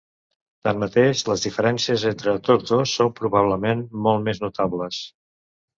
Tanmateix, les diferències entre tots dos són probablement molt més notables.